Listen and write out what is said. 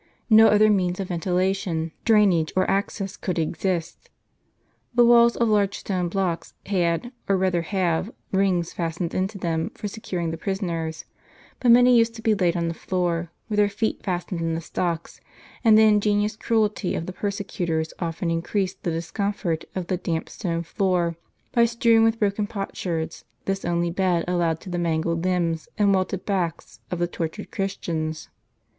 No other means of ventilation, The Mamertine Prison. drainage, or access could exist. The walls, of large stone blocks, had, or rather have, rings fastened into them for secur ing the prisoners ; but many used to be laid on the floor, with their feet fastened in the stocks ; and the ingenious cruelty of the persecutors often increased the discomfort of the damp stone floor, by strewing with broken potsherds this only bed allowed to the mangled limbs, and welted backs, of the tor tured Christians.